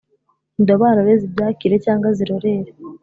indobanure zibyakire cyangwa zirorere!